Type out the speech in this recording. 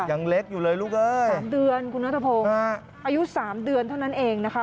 ยังเล็กอยู่เลยลูกเอ๊ยคุณน้าทะพงอายุ๓เดือนเท่านั้นเองนะคะ